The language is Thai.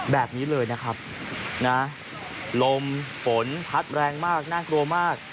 แบบนี้เลยนะครับนะลมฝนพัดแรงมากน่ากลัวมาก